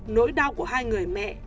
nỗi đau của hai người mẹ